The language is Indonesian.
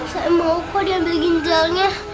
saya mau kode ambil ginjalnya